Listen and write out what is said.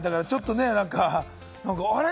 あれ？